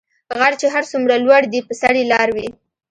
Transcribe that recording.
غر چی هر څومره لوړ دي په سر یي لار وي .